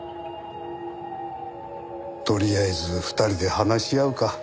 とりあえず２人で話し合うか？